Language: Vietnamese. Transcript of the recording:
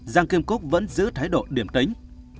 giang kim cúc vẫn giữ thái độ điểm tính